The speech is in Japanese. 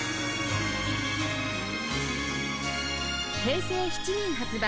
平成７年発売